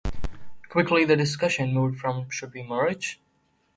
Quickly the discussion moved from Should we merge?